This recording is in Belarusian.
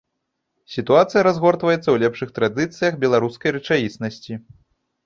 Сітуацыя разгортваецца ў лепшых традыцыях беларускай рэчаіснасці.